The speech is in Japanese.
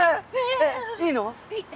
いいの！？